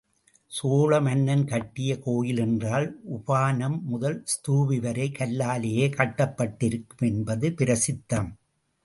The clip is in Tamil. சோழ மன்னன் கட்டிய கோயில் என்றால் உபானம் முதல் ஸ்தூபி வரை கல்லாலேயே கட்டப்பட்டிருக்கும் என்பது பிரசித்தம்.